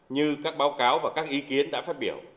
như các báo cáo và các ý kiến đã phát biểu